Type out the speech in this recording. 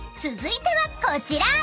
［続いてはこちら］